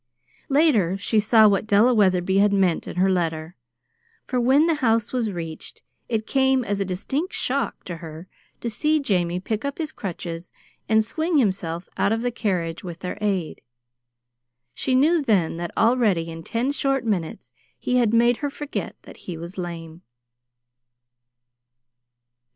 Later she saw what Della Wetherby had meant in her letter, for when the house was reached, it came as a distinct shock to her to see Jamie pick up his crutches and swing himself out of the carriage with their aid. She knew then that already in ten short minutes he had made her forget that he was lame.